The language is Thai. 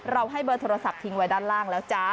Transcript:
ให้เบอร์โทรศัพท์ทิ้งไว้ด้านล่างแล้วจ๊ะ